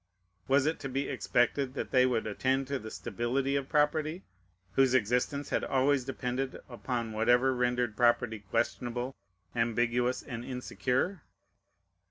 Was it to be expected that they would attend to the stability of property, whose existence had always depended upon whatever rendered property questionable, ambiguous, and insecure?